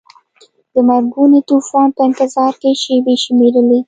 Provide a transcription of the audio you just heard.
د مرګوني طوفان په انتظار کې شیبې شمیرلې.